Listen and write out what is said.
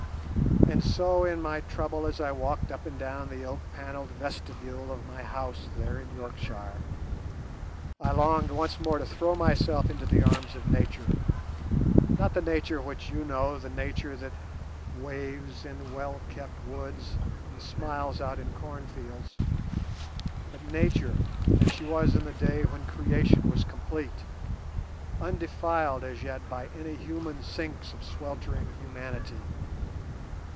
And so in my trouble, as I walked up and down the oak panelled vestibule of my house there in Yorkshire, I longed once more to throw myself into the arms of Nature. Not the Nature which you know, the Nature that waves in well kept woods and smiles out in corn fields, but Nature as she was in the age when creation was complete, undefiled as yet by any human sinks of sweltering humanity.